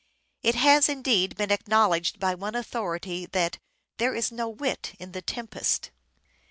It has, indeed, been acknowledged by one authority that " there is no wit in ' The Tempest.'